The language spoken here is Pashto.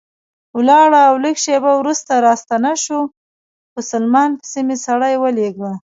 ولاړه او لږ شېبه وروسته راستنه شوه، په سلمان پسې مې سړی ولېږه.